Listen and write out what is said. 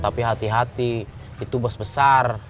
tapi hati hati itu bos besar